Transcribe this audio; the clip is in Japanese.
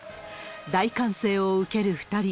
大歓声を受ける２人。